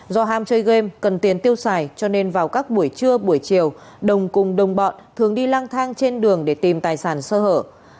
do ham chơi game cần tiền tiêu xài cho nên vào các buổi trưa buổi chiều đồng cùng đồng bọn thường đi lang thang trên đường để tìm tài sản sơ hở